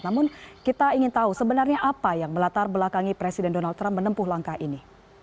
namun kita ingin tahu sebenarnya apa yang melatar belakangi presiden donald trump menempuh langkah ini